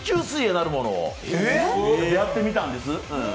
水泳なるものをやってみたんです。